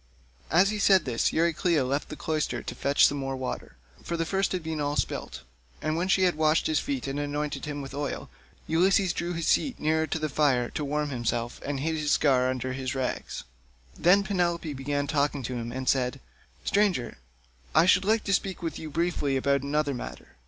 As he said this Euryclea left the cloister to fetch some more water, for the first had been all spilt; and when she had washed him and anointed him with oil, Ulysses drew his seat nearer to the fire to warm himself, and hid the scar under his rags. Then Penelope began talking to him and said: "Stranger, I should like to speak with you briefly about another matter.